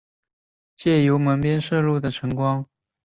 借由门边射入的晨光挑著菜